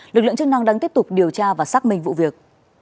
lực lượng chức năng đang tiếp tục điều tra và xác minh vụ việc